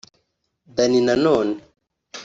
Danny Nanone